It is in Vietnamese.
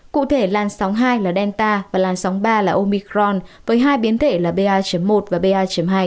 cụ thể làn sóng hai là delta và làn sóng ba là omicron với hai biến thể là ba một và ba hai